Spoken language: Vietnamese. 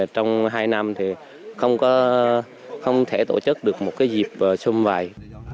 trong hai năm thì không thể tổ chức được một cái dịp xung vài